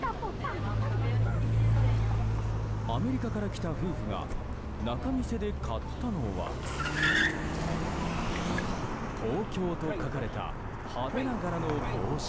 アメリカから来た夫婦が仲見世で買ったのは「ＴＯＫＹＯ」と書かれた派手な柄の帽子。